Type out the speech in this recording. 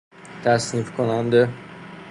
تصنیف کننده